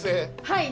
はい。